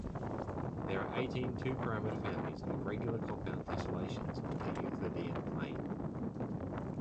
There are eighteen two-parameter families of regular compound tessellations of the Euclidean plane.